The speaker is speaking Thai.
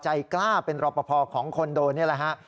ใจกล้าเป็นรอปภของคอนโดนี่แหละฮะ